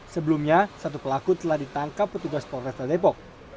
sebelumnya satu pelaku telah ditangkap petugas polres tadepok